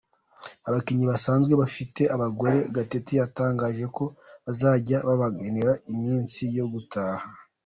Abakinnyi basanzwe bafite abagore, Gatete yatangaje ko bazajya babagenera iminsi yo gutaha.